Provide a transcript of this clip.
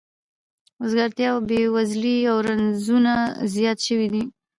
وزګارتیا او بې وزلي او رنځونه زیات شوي دي